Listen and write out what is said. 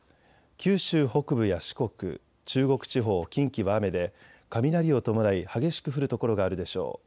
九州北部や四国、中国地方、近畿は雨で雷を伴い激しく降る所があるでしょう。